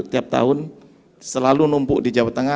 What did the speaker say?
tiap tahun selalu numpuk di jawa tengah